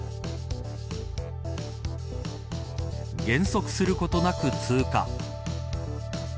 減速することなく通過。